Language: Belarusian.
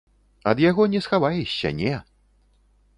Ад яго не схаваешся, не!